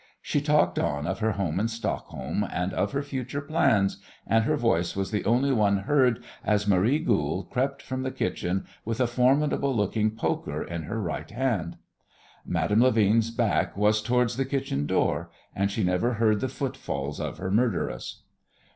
She talked on of her home in Stockholm and of her future plans, and her voice was the only one heard as Marie Goold crept from the kitchen with a formidable looking poker in her right hand. Madame Levin's back was towards the kitchen door, and she never heard the footfalls of her murderess.